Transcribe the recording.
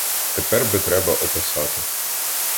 Тепер би треба описати